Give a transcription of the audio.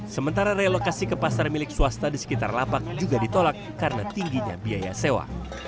sementara relokasi ke pasar milik swasta di sekitar lapak juga ditolak karena tingginya biaya sewa